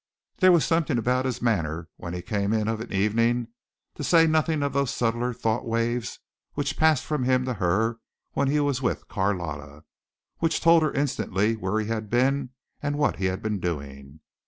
There was something about his manner when he came in of an evening, to say nothing of those subtler thought waves which passed from him to her when he was with Carlotta, which told her instantly where he had been and what he had been doing.